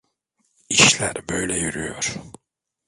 İşler böyle yürüyor.